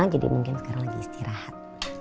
jadi mungkin sekarang lagi istirahat